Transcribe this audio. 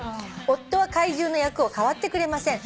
「夫は怪獣の役を代わってくれません」